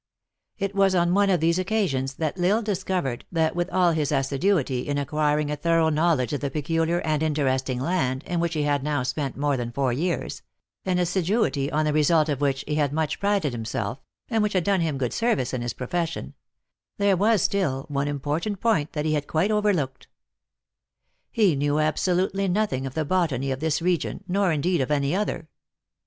It was on one of these occasions that L Isle discovered that with all his assiduity in acquiring a thorough knowledge of the peculiar and interesting land in which he had now spent more than four years an assiduity, on the result of which he much prided him self, and which had done him good service in his pro fession there was still one important point that he had quite overlooked. He knew absolutely nothing of the botany of this region, nor, indeed, of any other.